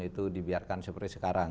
itu dibiarkan seperti sekarang